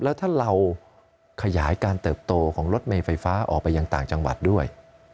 แล้วถ้าเราขยายการเติบโตของรถเมย์ไฟฟ้าออกไปยังต่างจังหวัดด้วย